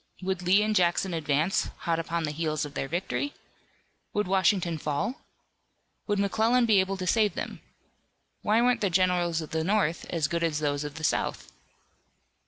Would Lee and Jackson advance, hot upon the heels of their victory? Would Washington fall? Would McClellan be able to save them? Why weren't the generals of the North as good as those of the South?